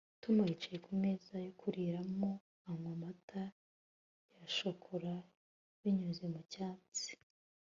Tom yicaye ku meza yo kuriramo anywa amata ya shokora binyuze mu cyatsi